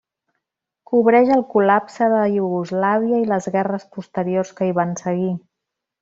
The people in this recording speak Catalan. Cobreix el col·lapse de Iugoslàvia i les guerres posteriors que hi van seguir.